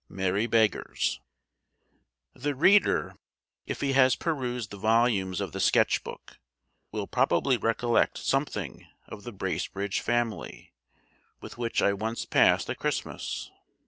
MERRY BEGGARS. The reader, if he has perused the volumes of the Sketch Book, will probably recollect something of the Bracebridge family, with which I once passed a Christmas.